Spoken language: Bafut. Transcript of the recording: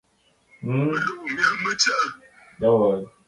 Mɨ̀tlùʼù mya mə tsəʼə̂.